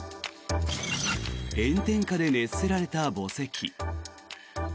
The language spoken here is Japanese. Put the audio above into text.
炎天下で熱せられた墓石。